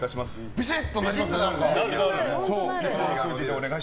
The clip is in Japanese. ビシッとなりますね。